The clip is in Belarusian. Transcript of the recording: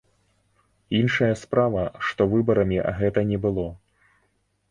Іншая справа, што выбарамі гэта не было.